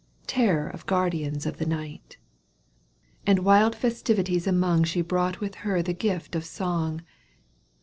Terror of guardians of the night ; And wild festivities among She brought with her the gift of song.